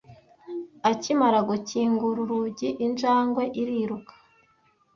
Akimara gukingura urugi, injangwe iriruka.